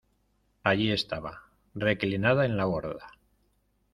allí estaba, reclinada en la borda: